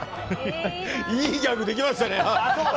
いいギャグできましたね。